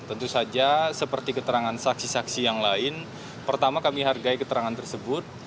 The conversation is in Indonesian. tentu saja seperti keterangan saksi saksi yang lain pertama kami hargai keterangan tersebut